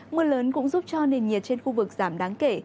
mưa lớn cũng giúp cho nền nhiệt trên khu vực giảm đáng kể